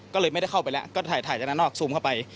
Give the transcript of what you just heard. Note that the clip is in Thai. ก็เลยไม่ได้เข้าไปแล้วก็ถ่ายจากนั้นนอกซูมเข้าไป